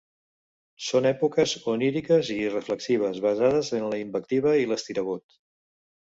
Són èpoques oníriques i irreflexives, basades en la invectiva i l'estirabot.